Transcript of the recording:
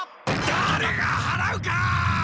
だれがはらうか！